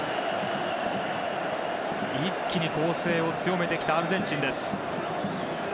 一気に攻勢を強めてきたアルゼンチン。